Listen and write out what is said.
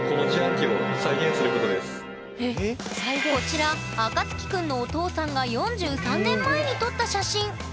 こちらあかつき君のお父さんが４３年前に撮った写真。